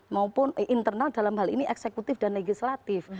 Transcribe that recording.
maupun internal dalam hal ini eksekutif dan legislatif